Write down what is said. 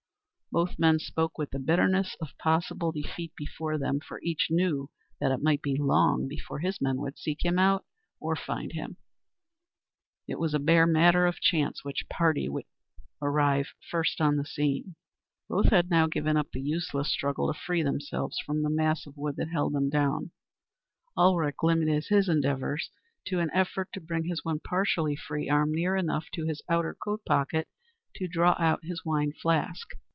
Both men spoke with the bitterness of possible defeat before them, for each knew that it might be long before his men would seek him out or find him; it was a bare matter of chance which party would arrive first on the scene. Both had now given up the useless struggle to free themselves from the mass of wood that held them down; Ulrich limited his endeavours to an effort to bring his one partially free arm near enough to his outer coat pocket to draw out his wine flask.